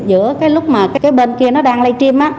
giữa cái lúc mà cái bên kia nó đang lây trim